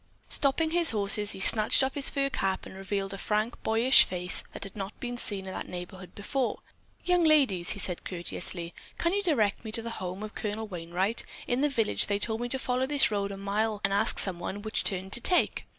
Stopping his horses, he snatched off his fur cap and revealed a frank, boyish face that had not been seen in that neighborhood before. "Young ladies," he said courteously, "can you direct me to the home of Colonel Wainwright? In the village they told me to follow this road for a mile and then ask someone which turn to take."